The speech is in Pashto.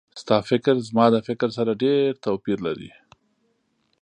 ستا فکر زما د فکر سره ډېر توپیر لري